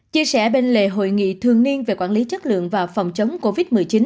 chia sẻ bên lề hội nghị thường niên về quản lý chất lượng và phòng chống covid một mươi chín